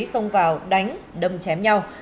xông vào đánh đâm chém nhau